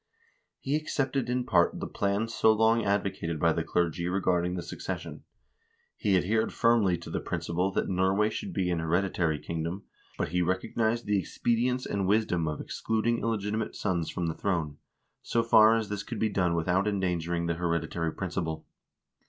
He accepted in part the plan so long advocated by the clergy regarding the succes sion. He adhered firmly to the principle that Norway should be an hereditary kingdom, but he recognized the expedience and wisdom of excluding illegitimate sons from the throne, so far as this could be done without endangering the hereditary principle.